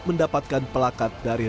mendapatkan pelakat dari